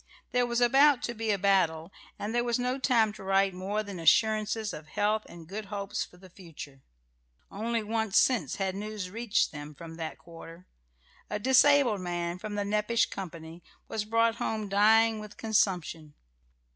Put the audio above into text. There was about to be a battle, and there was no time to write more than assurances of health and good hopes for the future. Only once since had news reached them from that quarter. A disabled man from the Nepash company was brought home dying with consumption.